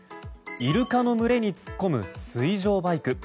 イルカの群れに突っ込む水上バイク。